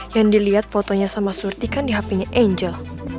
yang diliat fotonya sama surti kan di hp nya angel